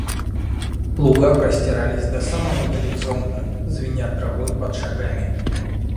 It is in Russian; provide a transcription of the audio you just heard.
Луга простирались до самого горизонта, звеня травой под шагами.